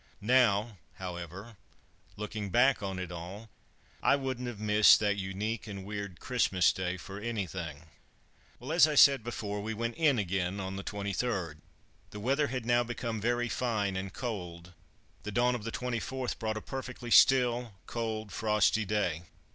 Now, however, looking back on it all, I wouldn't have missed that unique and weird Christmas Day for anything. Well, as I said before, we went "in" again on the 23rd. The weather had now become very fine and cold. The dawn of the 24th brought a perfectly still, cold, frosty day.